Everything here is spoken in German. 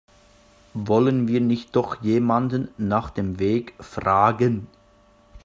Wollen wir nicht doch jemanden nach dem Weg fragen?